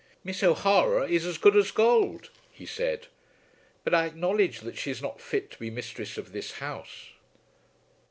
"Miss O'Hara is as good as gold," he said; "but I acknowledge that she is not fit to be mistress of this house."